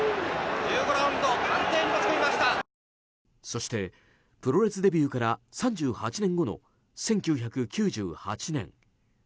そして、プロレスデビューから３８年後の１９９８年。